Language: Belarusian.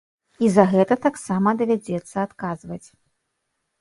І за гэта таксама давядзецца адказваць.